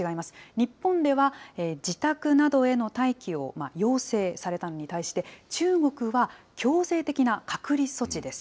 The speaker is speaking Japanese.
日本では自宅などへの待機を要請されたのに対して、中国は強制的な隔離措置です。